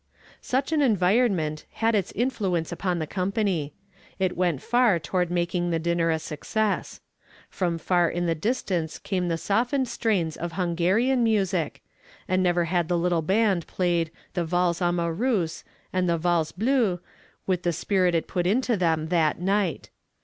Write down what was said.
Such an environment had its influence upon the company. It went far toward making the dinner a success. From far in the distance came the softened strains of Hungarian music, and never had the little band played the "Valse Amoureuse" and the "Valse Bleue" with the spirit it put into them that night.